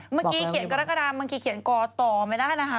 เมื่อกี้เขียนกรกฎาบางทีเขียนก่อต่อไม่ได้นะคะ